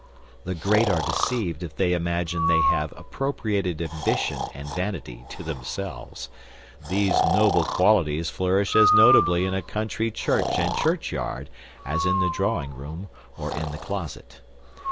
The great are deceived if they imagine they have appropriated ambition and vanity to themselves. These noble qualities flourish as notably in a country church and churchyard as in the drawing room, or in the closet.